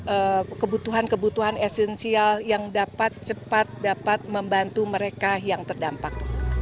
untuk kebutuhan kebutuhan esensial yang dapat cepat dapat membantu mereka yang terdampak